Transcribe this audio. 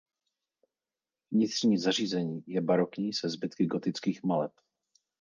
Vnitřní zařízení je barokní se zbytky gotických maleb.